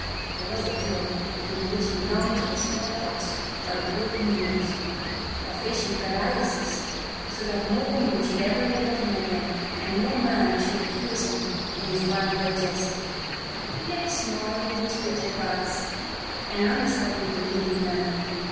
There was a tour during which he longed for small pox or a broken nose or facial paralysis, so that no woman should ever look at him again and no man accuse him in vulgar jest. He played small utility parts and understudied the leading man.